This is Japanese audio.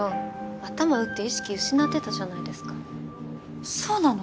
頭打って意識失ってたじゃないですかそうなの？